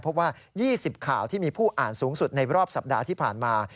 เพราะว่า๒๐ข่าวที่มีผู้อ่านสูงสุดในรอบสัปดาห์ที่ผ่านมา